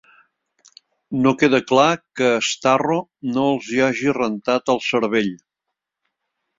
No queda clar que Starro no els hi hagi rentat el cervell.